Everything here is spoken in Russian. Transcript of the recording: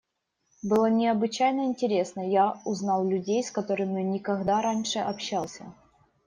Было необычайно интересно: я узнал людей, с которыми никогда раньше общался.